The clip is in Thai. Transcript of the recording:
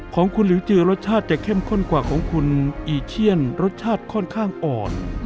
ของคุณหลิวเจือรสชาติจะเข้มข้นกว่าของคุณอีเชียนรสชาติค่อนข้างอ่อน